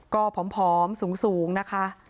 ก็พร้อมสูงนะคะ